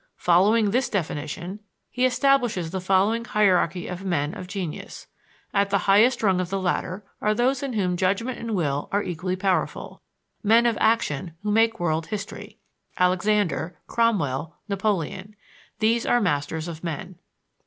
Following this definition, he establishes the following hierarchy of men of genius: At the highest rung of the ladder are those in whom judgment and will are equally powerful; men of action who make world history (Alexander, Cromwell, Napoleon) these are masters of men.